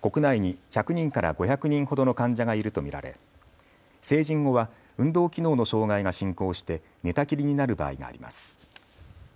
国内に１００人から５００人ほどの患者がいると見られ、成人後は運動機能の障害が進行して寝たきりになる場合があります。